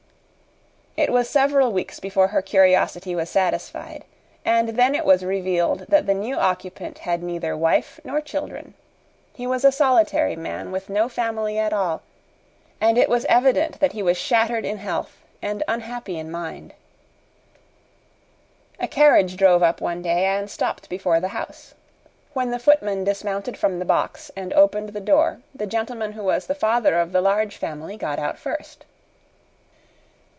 It was several weeks before her curiosity was satisfied, and then it was revealed that the new occupant had neither wife nor children. He was a solitary man with no family at all, and it was evident that he was shattered in health and unhappy in mind. A carriage drove up one day and stopped before the house. When the footman dismounted from the box and opened the door the gentleman who was the father of the Large Family got out first.